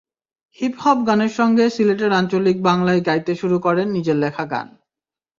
Hip hop গানের সঙ্গে সিলেটের আঞ্চলিক বাংলায় গাইতে শুরু করেন নিজের লেখা গান।